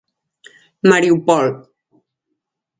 Mariupol.